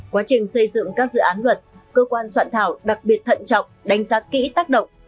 quá trình xây dựng các dự án luật cơ quan soạn thảo đặc biệt thận trọng đánh giá kỹ tác động